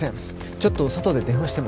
ちょっと外で電話しても？